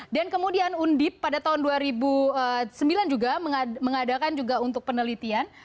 dan kemudian undip pada tahun dua ribu sembilan juga mengadakan juga untuk penelitian